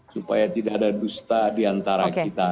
supaya tidak ada dusta diantara kita